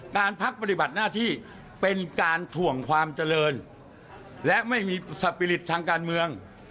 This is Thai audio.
การพักปฏิบัติหน้าที่เป็นการถ่วงความเจริญและไม่มีสปิริตทางการเมือง